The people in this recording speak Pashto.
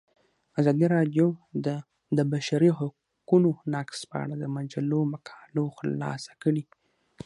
ازادي راډیو د د بشري حقونو نقض په اړه د مجلو مقالو خلاصه کړې.